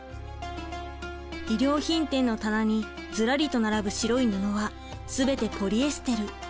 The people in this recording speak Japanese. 衣料品店の棚にずらりと並ぶ白い布は全てポリエステル。